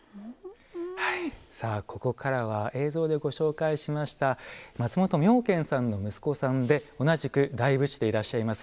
さあ、ここからは映像でご紹介しました松本明慶さんの息子さんで同じく大仏師でいらっしゃいます